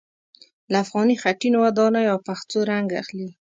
له افغاني خټينو ودانیو او پخڅو رنګ اخلي.